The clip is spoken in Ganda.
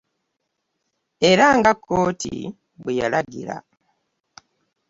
Era nga kkooti bwe yalagira.